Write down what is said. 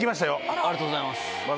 ありがとうございます。